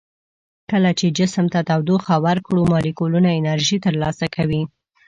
کله چې جسم ته تودوخه ورکړو مالیکولونه انرژي تر لاسه کوي.